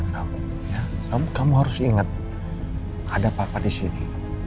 kamu juga harus ingat ada papa disini